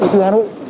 từ hà nội